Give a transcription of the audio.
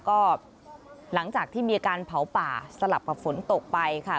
ก็หลังจากที่มีอาการเผาป่าสลับกับฝนตกไปค่ะ